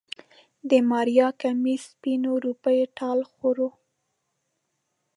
د ماريا کميس سپينو روپيو ټال خوړ.